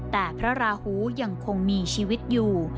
แต่พระราหูยังคงมีชีวิตอยู่